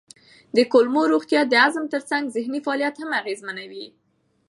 د کولمو روغتیا د هضم ترڅنګ ذهني فعالیت هم اغېزمنوي.